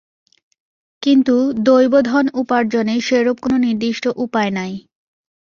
কিন্তু দৈবধন উপার্জনের সেরূপ কোনো নির্দিষ্ট উপায় নাই।